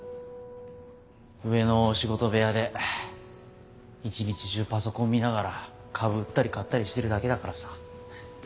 上の仕事部屋で一日中パソコン見ながら株売ったり買ったりしてるだけだからさ。